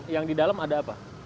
yang di dalam ada apa